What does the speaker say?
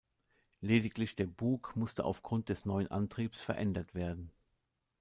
Lediglich der Bug musste aufgrund des neuen Antriebs verändert werden.